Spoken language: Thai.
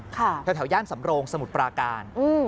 แถวย่านสำโรงสมุทรปราการ